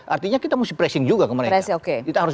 artinya kita mesti pressing juga ke mereka